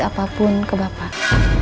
apapun ke bapak